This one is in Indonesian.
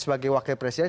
sebagai wakil presiden